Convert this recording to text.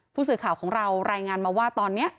ผู้สื่อข่าวของเรารายงานมาว่าตอนนี้